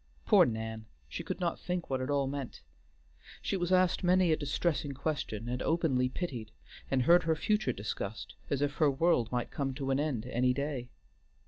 Poor Nan! She could not think what it all meant. She was asked many a distressing question, and openly pitied, and heard her future discussed, as if her world might come to an end any day.